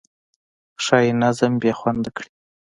ښایي نظم بې خونده کړي.